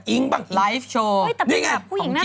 คุณหมอโดนกระช่าคุณหมอโดนกระช่า